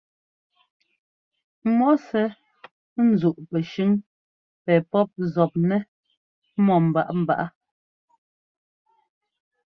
Mɔ sɛ́ ńzúꞌ pɛshʉ́ŋ pɛ pɔ́p zɔpnɛ́ mɔ́ mbaꞌámbaꞌá.